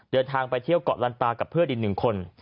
เดินทางไปเที่ยวเกาะลันตากับเพื่อนอีก๑คน